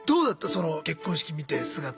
その結婚式見て姿は。